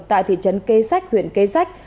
tại thị trấn kê sách huyện kê sách